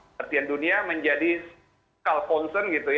perhatian dunia menjadi skala konsen gitu ya